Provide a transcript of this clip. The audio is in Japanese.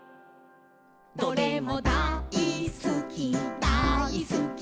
「どれも大すきだいすき」